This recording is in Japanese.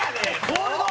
コールド？